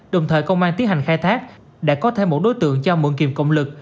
đồng thời công an tiến hành khai thác đã có thêm một đối tượng cho mượn kìm cộng lực